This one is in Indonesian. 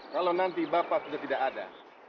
kalau nanti bapak sudah tidak ada